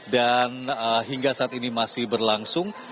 dan hingga saat ini masih berlangsung